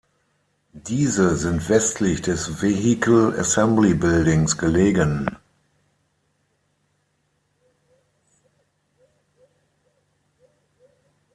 Diese sind westlich des Vehicle Assembly Buildings gelegen.